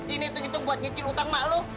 ini itu buat ngecil utang mak lo